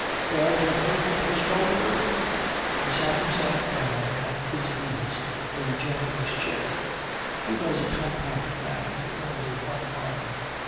Well, Geoffrey, postpone the birth." He sat himself down at his ease in Geoffrey's chair. He was a compact man with only one arm.